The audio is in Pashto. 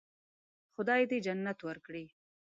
خدای دې جنت ورکړي.